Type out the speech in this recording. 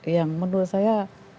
yang menurut saya